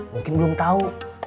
mungkin belum tau